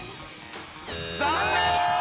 残念！